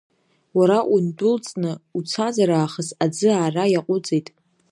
Уара ундәылҵны уцазар аахыс аӡы аара иаҟәыҵит.